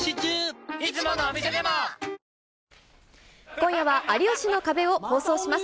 今夜は、有吉の壁を放送します。